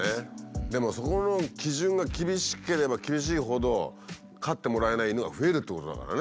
でもそこの基準が厳しければ厳しいほど飼ってもらえない犬は増えるってことだからね。